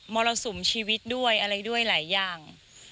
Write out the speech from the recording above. มรสุมชีวิตด้วยอะไรด้วยหลายอย่าง